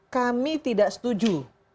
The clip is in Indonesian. kami tidak setuju